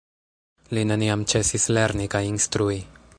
Li neniam ĉesis lerni kaj instrui.